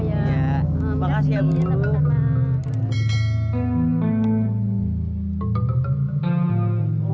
terima kasih ya bapak maman